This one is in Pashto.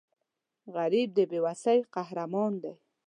غریب د بې وسۍ قهرمان دی